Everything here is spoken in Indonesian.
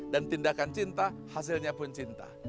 dan tindakan cinta hasilnya pun cinta